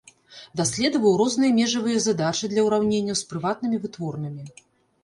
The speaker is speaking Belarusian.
Даследаваў розныя межавыя задачы для ўраўненняў з прыватнымі вытворнымі.